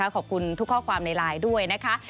ขอบคุณทุกข้อความในไลน์ด้วยนะคะ